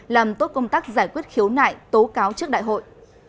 làm tốt công tác giải quyết khiếu nại tố cáo trước đại hội